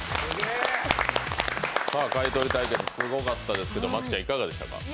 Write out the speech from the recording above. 買い取り対決、すごかったですけど、麻貴ちゃん、いかがでしたか？